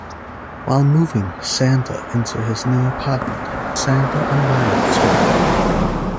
While moving Xander into his new apartment, Xander and Riley talk.